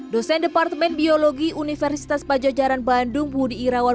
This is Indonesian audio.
dosen departemen biologi universitas pajajaran bandung budi irawan